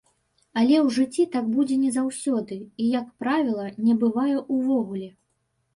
Але ў жыцці так будзе не заўсёды, і, як правіла, не бывае ўвогуле.